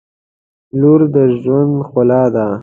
• لور د ژوند ښکلا ده.